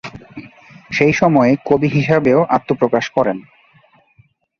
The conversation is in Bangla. সেই সময়ে কবি হিসাবেও আত্মপ্রকাশ করেন।